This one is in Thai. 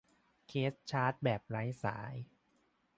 เคสชาร์จแบบไร้สาย